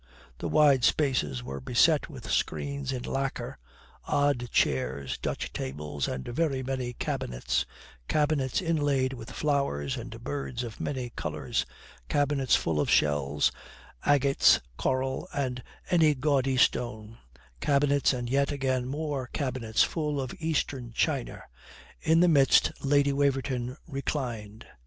The wide spaces were beset with screens in lacquer, odd chairs, Dutch tables, and very many cabinets, cabinets inlaid with flowers and birds of many colours; cabinets full of shells, agates, corals, and any gaudy stone; cabinets and yet again more cabinets full of Eastern china. In the midst Lady Waverton reclined.